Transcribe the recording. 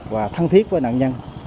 và thân thiết với nạn nhân